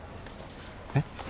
えっ？